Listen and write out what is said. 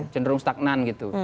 cenderung stagnan gitu